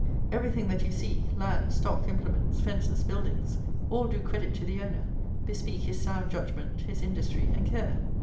Everything that you see, land, stock, implements, fences, buildings; all do credit to the owner; bespeak his sound judgment, his industry and care.